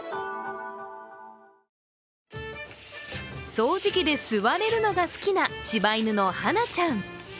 掃除機で吸われるのが好きなしば犬のハナちゃん。